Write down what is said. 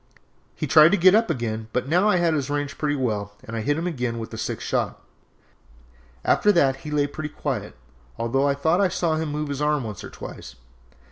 He tried to get up again, but I now had his range pretty well and hit him again with the sixth shot; after that he lay pretty quiet, although I thought I saw him move his arm once or twice.